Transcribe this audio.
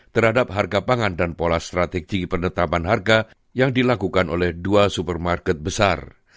terhadap harga pangan dan pola strategi penetapan harga yang dilakukan oleh dua supermarket besar